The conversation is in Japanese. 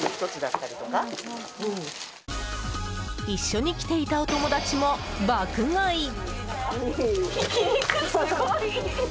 一緒に来ていたお友達も爆買い。